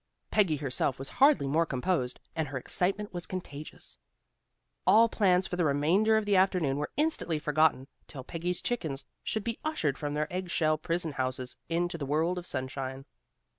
Peggy herself was hardly more composed, and her excitement was contagious. All plans for the remainder of the afternoon were instantly forgotten till Peggy's chickens should be ushered from their egg shell prison houses into the world of sunshine.